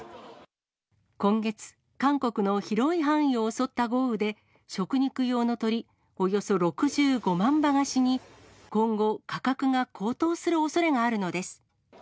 今月、韓国の広い範囲を襲った豪雨で、食肉用の鶏およそ６５万羽が死に、今後、価格が高騰するおそれがあるのです。